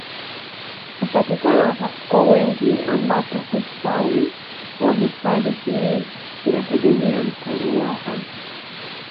Hupatikana kwa wingi ambapo hustawi wa hifadhi hii unategemea mto ruaha